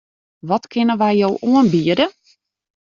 Wat kinne wy jo oanbiede?